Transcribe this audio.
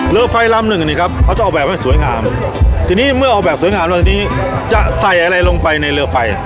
เรือไฟลำหนึ่งนี่ครับเขาจะเอาแบบให้สวยงามทีนี้เมื่อออกแบบสวยงามแบบนี้จะใส่อะไรลงไปในเรือไฟ